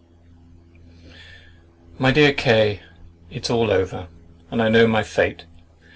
—— My dear K——, It is all over, and I know my fate.